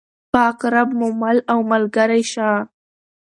پاک رب مو مل او ملګری شه.